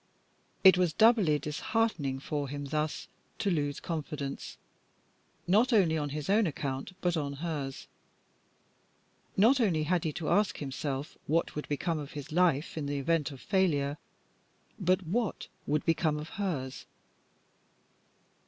It was doubly disheartening for him thus to lose confidence; not only on his own account, but on hers. Not only had he to ask himself what would become of his life in the event of failure, but what would become of hers?